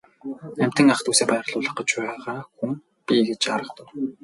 Амьтан ах дүүсээ баярлуулах гэж байгаа хүн би гэж аргадав.